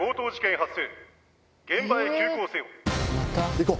行こう！